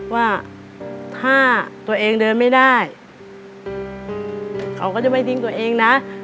ว่าถ้าตัวเองเดินไม่ได้เขาก็จะไม่ทิ้งตัวเองนะ